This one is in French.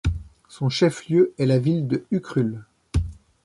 Son chef-lieu est la ville de Ukhrul.